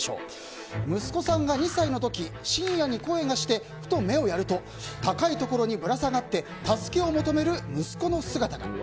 息子さんが２歳の時深夜に声がして、ふと目をやると高いところにぶら下がって助けを求める息子の姿が。